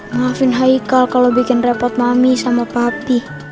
maafin haikal kalau bikin repot mami sama papi